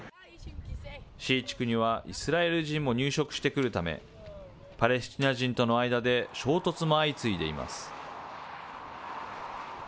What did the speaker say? Ｃ地区にはイスラエル人も入植してくるため、パレスチナ人との間で衝突も相次いでいます。